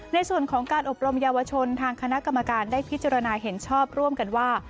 ในส่วนของการอบรมเยาวชนทางคณะกรรมการได้พิจารณาเห็นชอบร่วมกันว่า